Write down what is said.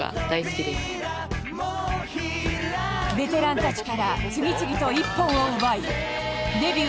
ベテランたちから次々と一本を奪いデビュー